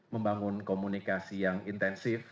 membangun komunikasi yang intensif